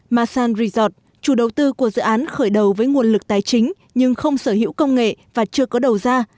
masan resort chủ đầu tư của dự án khởi đầu với nguồn lực tài chính nhưng không sở hữu công nghệ và chưa có đầu ra